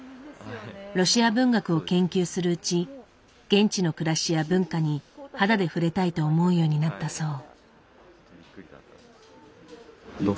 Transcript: ロシア文学を研究するうち現地の暮らしや文化に肌で触れたいと思うようになったそう。